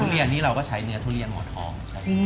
ทุเรียนนี้เราก็จะใช้เนื้อทุเรียนหมอนทอง